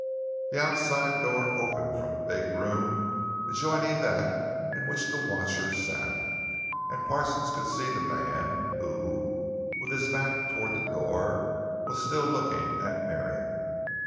The outside door opened from the big room adjoining that in which the watcher sat, and Parsons could see the man, who, with his back toward the door, was still looking at Marion.